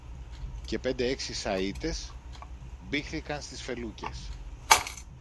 και πέντε-έξι σαίτες μπήχθηκαν στις φελούκες